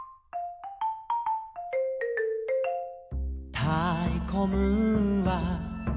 「たいこムーンは」